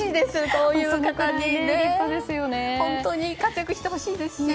こういう方に本当に活躍してほしいですね。